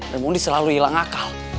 dan mundi selalu hilang akal